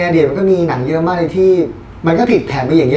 อดีตมันก็มีหนังเยอะมากเลยที่มันก็ผิดแผนไปอย่างนี้